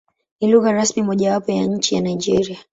Ni lugha rasmi mojawapo ya nchi ya Nigeria.